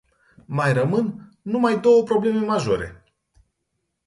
Mai rămân numai două probleme majore.